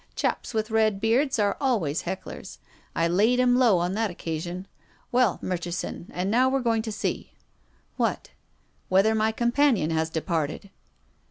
Chaps with red beards are al ways hecklers. I laid him low on that occasion. Well, Murchison, and now we're going to sec." "What?" " Whether my companion has departed."